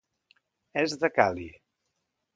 És de Cali.